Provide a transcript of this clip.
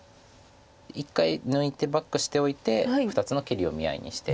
一回抜いてバックしておいて２つの切りを見合いにして。